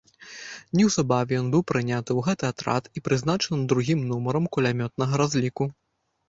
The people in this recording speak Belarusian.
Неўзабаве ён быў прыняты ў гэты атрад і прызначаны другім нумарам кулямётнага разліку.